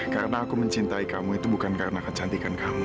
karena aku mencintai kamu itu bukan karena akan cantikan kamu